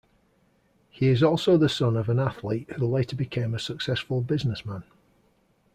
He is also the son of an athlete who later became a successful businessman.